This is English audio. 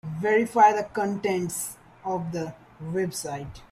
Verify the contents of the website.